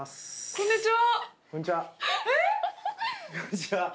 こんにちは。